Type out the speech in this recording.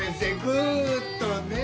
ぐーっとね。